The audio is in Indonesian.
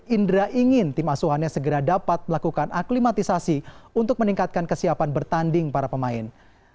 indra ingin tim asuhannya segera dapat melakukan aklimatisasi untuk meningkatkan kesiapan bertanding para pemain